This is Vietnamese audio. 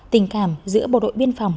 tình cảm giữa bộ đội biên phòng